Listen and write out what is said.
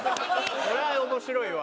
それは面白いわ。